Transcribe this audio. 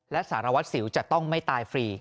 และสารวัตรสิวจะต้องไม่ตายฟรี